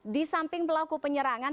di samping pelaku penyerangan